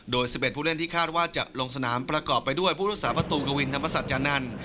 โดย๑๑ผู้เล่นที่คาดว่าจะลงสนามประกอบไปด้วยผู้รักษาประตูกวินธรรมสัจจานันทร์